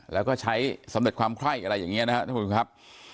แล้วก็ใช้สำเร็จความไคร้อะไรอย่างนี้นะครับท่านผู้ชมครับ